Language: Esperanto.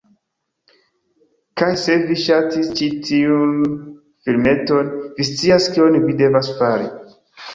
Kaj se vi ŝatis ĉi tiun filmeton, vi scias kion vi devas fari.